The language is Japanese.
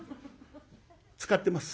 使ってます。